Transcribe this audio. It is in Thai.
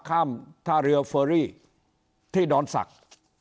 ท่าเรือเฟอรี่ที่ดอนศักดิ์